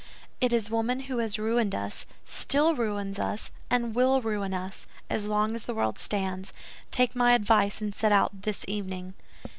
It is woman who has ruined us, still ruins us, and will ruin us, as long as the world stands. Take my advice and set out this evening."